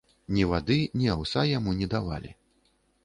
Ні вады, ні аўса яму не давалі.